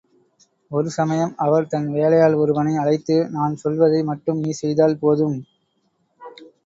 ஒரு சமயம், அவர் தன் வேலையாள் ஒருவனை அழைத்து, நான் சொல்வதை மட்டும் நீ செய்தால் போதும்.